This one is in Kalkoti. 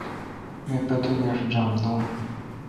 می پتو پیݭ جم دون۔